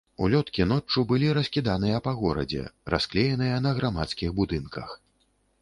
Улёткі ноччу былі раскіданыя па горадзе, расклееныя на грамадскіх будынках.